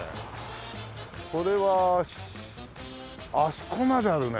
これはあそこまであるね。